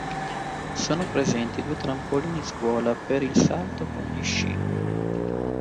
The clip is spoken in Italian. Sono presenti due trampolini scuola per il salto con gli sci.